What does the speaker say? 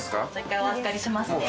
１回お預かりしますね。